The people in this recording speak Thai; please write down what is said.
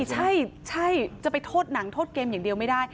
ใช่จะไปโทษหนังโทษเกมอย่างเดียวไม่ได้